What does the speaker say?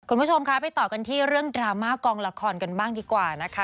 คุณผู้ชมคะไปต่อกันที่เรื่องดราม่ากองละครกันบ้างดีกว่านะคะ